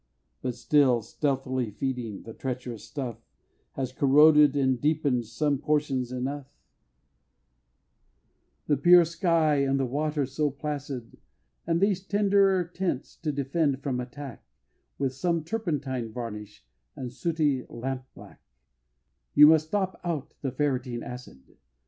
But still stealthily feeding, the treacherous stuff Has corroded and deepen'd some portions enough The pure sky, and the waters so placid And these tenderer tints to defend from attack, With some turpentine varnish and sooty lamp black You must stop out the ferreting acid.